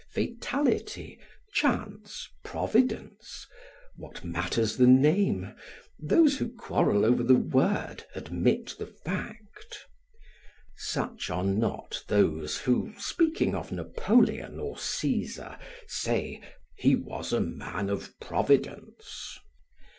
Fatality, Chance, Providence, what matters the name? Those who quarrel over the word, admit the fact. Such are not those who, speaking of Napoleon or Caesar, say: "He was a man of Providence."